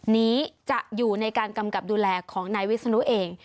นี้จะอยู่ในการกำกับดูแลของนายวิศนุเอง